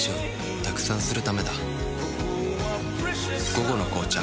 「午後の紅茶」